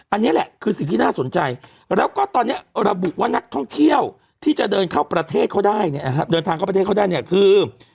อันนี้แหละคือสิ่งที่น่าสนใจแล้วก็ตอนนี้ระบุว่านักท่องเที่ยวที่จะเดินทางเข้าประเทศเข้าได้เนี่ยคือ